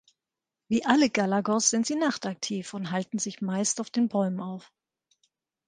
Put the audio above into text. Wie alle Galagos sind sie nachtaktiv und halten sich meist auf den Bäumen auf.